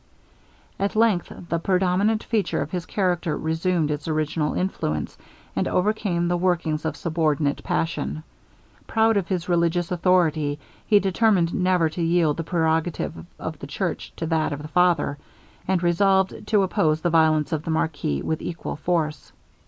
At length the predominant feature of his character resumed its original influence, and overcame the workings of subordinate passion. Proud of his religious authority, he determined never to yield the prerogative of the church to that of the father, and resolved to oppose the violence of the marquis with equal force.